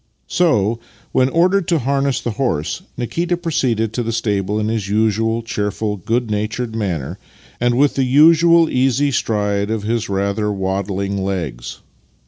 So, when ordered to harness the horse, Nikita pro ceeded to the stable in his usual cheerful, good natured manner, and with the usual easy stride of his rather 4 Master and Man waddling legs.